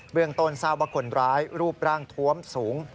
เรื่องต้นทราบว่าคนร้ายรูปร่างทวมสูง